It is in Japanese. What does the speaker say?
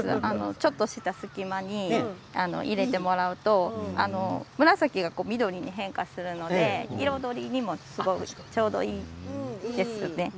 ちょっとした隙間に入れてもらうと紫が緑に変化するので彩りにもちょうどいいですね。